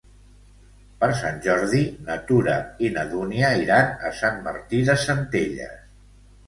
Per Sant Jordi na Tura i na Dúnia iran a Sant Martí de Centelles.